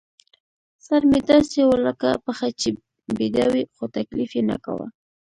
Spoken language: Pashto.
سر مې داسې و لکه پښه چې بېده وي، خو تکلیف یې نه کاوه.